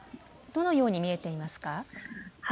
どのように見えていますか。